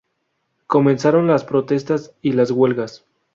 Comenzaron las protestas y las huelgas.